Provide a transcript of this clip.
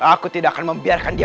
aku tidak akan membiarkan dia